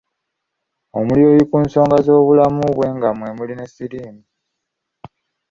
Omulyoyi ku nsonga z’obulamu bwe nga mwe muli ne siriimu.